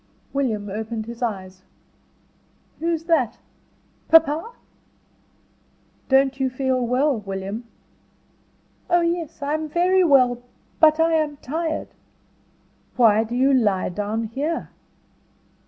William opened his eyes. "Who's that papa?" "Don't you feel well, William?" "Oh, yes, I'm very well; but I am tired." "Why do you lie down here?"